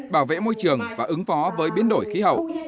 bảo vệ môi trường và ứng phó với biến đổi khí hậu